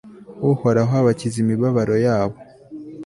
uhoraho abakiza imibabaro yabo